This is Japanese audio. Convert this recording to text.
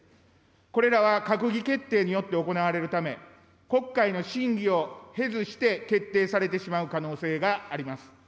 これらは閣議決定によって行われるため、国会の審議を経ずして決定されてしまう可能性があります。